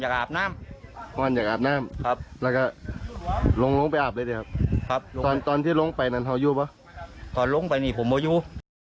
ก็ลงไปนี่ผมไม่อยู่